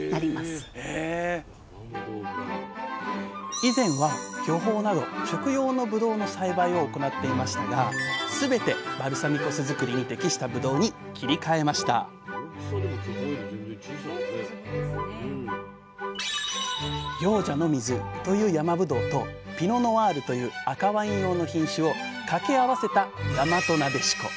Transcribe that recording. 以前は巨峰など食用のぶどうの栽培を行っていましたがすべてバルサミコ酢作りに適したぶどうに切り替えました「行者の水」という山ぶどうと「ピノ・ノワール」という赤ワイン用の品種を掛け合わせた「やまとなでしこ」。